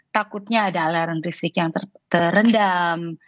takutnya ada aliran listrik yang terendam